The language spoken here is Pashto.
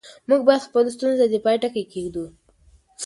موږ باید خپلو ستونزو ته د پای ټکی کېږدو.